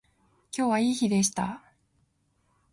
今日はいい日でした